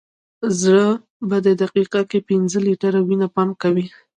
زړه په دقیقه کې پنځه لیټره وینه پمپ کوي.